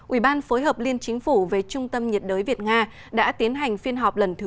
ủy ban phối hợp liên chính phủ về trung tâm nhiệt đới việt nga đã tiến hành phiên họp lần thứ một mươi